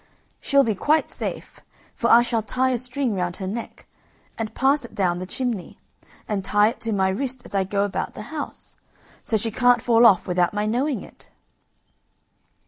She'll be quite safe, for I shall tie a string round her neck, and pass it down the chimney, and tie it to my wrist as I go about the house, so she can't fall off without my knowing it."